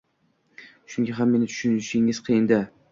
Shunga ham meni tushunishingiz qiyin-da